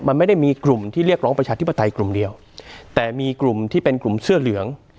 มันไม่ได้มีกลุ่มที่เรียกร้องประชาธิปไตยกลุ่มเดียวแต่มีกลุ่มที่เป็นกลุ่มเสื้อเหลือง